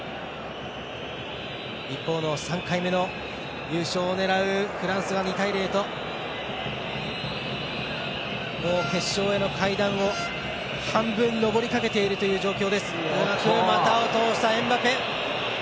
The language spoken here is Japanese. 一方の３回目の優勝を狙うフランスは２対０と、もう決勝への階段を半分上りかけているという状況。